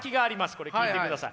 これ聞いてください。